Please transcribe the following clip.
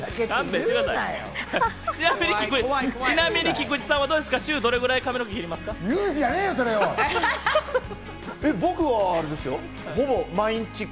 ちなみに菊地さんはどうですか、週にどれぐらい髪を切りますか？